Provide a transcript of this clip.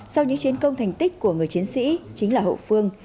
sau những chiến công thành tích của người chiến sĩ chính là hậu phương